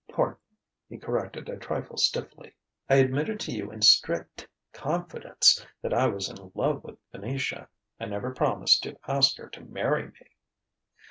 "Pardon," he corrected a trifle stiffly: "I admitted to you in strict confidence that I was in love with Venetia. I never promised to ask her to marry me."